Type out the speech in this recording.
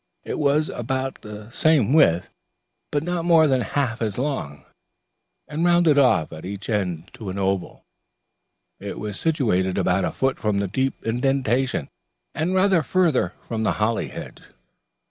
It was about the same width, but not more than half as long, and rounded off at each end to an oval. It was situated about a foot from the deep indentation and rather farther from the holly hedge.